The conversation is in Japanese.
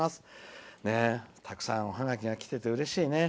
たくさん、おハガキがきててうれしいね。